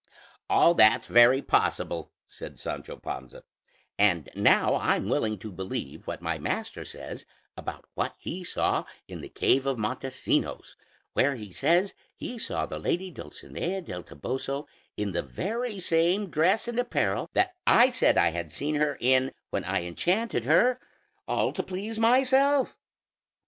"All that's very possible," said Sancho Panza; "and now I'm willing to believe what my master says about what he saw in the cave of Montesinos, where he says he saw the lady Dulcinea del Toboso in the very same dress and apparel that I said I had seen her in when I enchanted her all to please myself.